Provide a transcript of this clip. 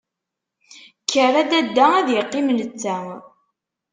Kker a dadda ad iqqim netta.